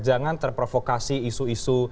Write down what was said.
jangan terprovokasi isu isu